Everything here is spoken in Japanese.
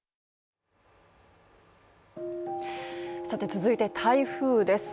続いて、台風です。